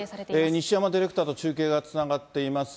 西山ディレクターと中継がつながっています。